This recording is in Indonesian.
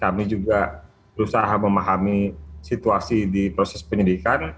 kami juga berusaha memahami situasi di proses penyidikan